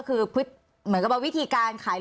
คุณเอกวีสนิทกับเจ้าแม็กซ์แค่ไหนคะ